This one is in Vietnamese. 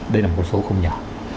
đây là một số không nhỏ